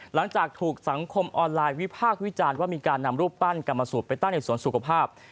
หลังจากถูกสังคมออนไลน์วิพากษ์วิจารณ์ว่ามีการนำรูปปั้นกรรมสูตรไปตั้งในสวนสุขภาพ